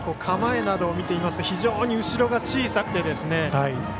構えなどを見ていますと非常に後ろが小さくて。